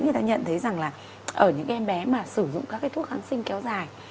người ta nhận thấy rằng là ở những em bé mà sử dụng các cái thuốc kháng sinh kéo dài